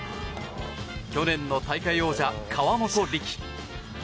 去年の大会王者、河本力。